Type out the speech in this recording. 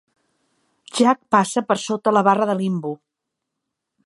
Jack passa per sota la barra de Limbo.